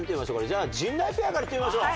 じゃあ陣内ペアからいってみましょう。